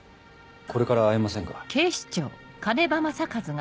これから会えませんか？